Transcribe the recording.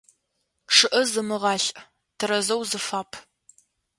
ЧъӀыэ зымгъалӀ, тэрэзэу зыфап.